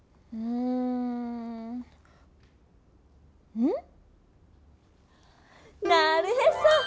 ん⁉なるへそ！